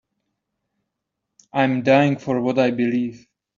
I'm dying for what I believe.